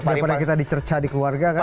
daripada kita dicerca di keluarga kan